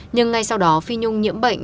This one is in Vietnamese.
nhưng ngay sau đó phi nhung nhiễm bệnh